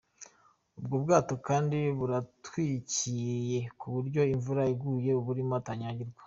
Ubu bwato kandi buratwikiriye ku buryo imvura iguye uburimo atanyagirwa.